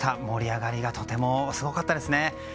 盛り上がりがとてもすごかったですね。